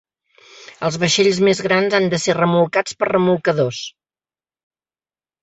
Els vaixells més grans han de ser remolcats per remolcadors.